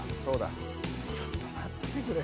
そうだ。